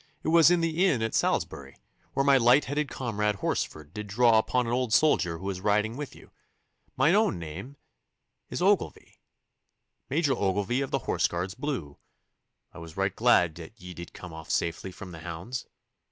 It was in the inn at Salisbury, where my light headed comrade Horsford did draw upon an old soldier who was riding with you. Mine own name is Ogilvy Major Ogilvy of the Horse Guards Blue. I was right glad that ye did come off safely from the hounds.